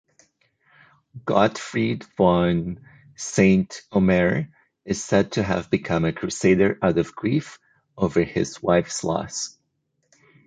Gottfried von Saint-Omer is said to have become a crusader out of grief over his wife's loss.